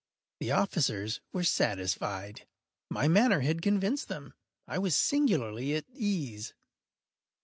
The officers were satisfied. My manner had convinced them. I was singularly at ease.